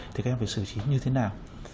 thì các em phải xử trí như thế nào